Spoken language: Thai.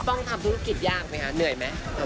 ต้องทำธุรกิจยากไหมคะเหนื่อยไหม